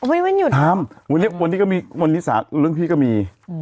วันนี้มันหยุดหรอครับวันนี้ก็มีวันนี้สารเรื่องพี่ก็มี